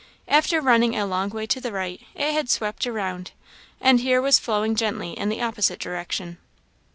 After running a long way to the right, it had swept round, and here was flowing gently in the opposite direction.